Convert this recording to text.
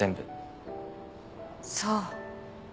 そう。